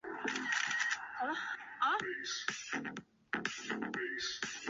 滨松站的铁路车站。